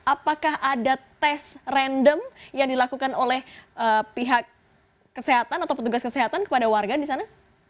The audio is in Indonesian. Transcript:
apakah ada tes random yang dilakukan oleh pihak kesehatan atau petugas kesehatan kepada warga di sana